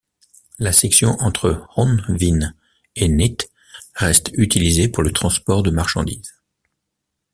La section entre Onllwyn et Neath reste utilisée pour le transport de marchandises.